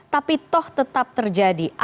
tapi toh tetap terjadi